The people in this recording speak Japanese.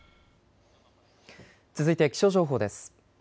続いて気象情報です。